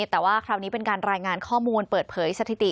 แต่ว่าคราวนี้เป็นการรายงานข้อมูลเปิดเผยสถิติ